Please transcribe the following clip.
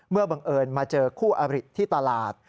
เมื่อบังเอิญมาเจอคู่อบฤทธิ์ที่ตลาด